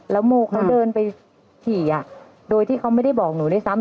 แล้วโมเขาเดินไปฉี่โดยที่เขาไม่ได้บอกหนูด้วยซ้ำ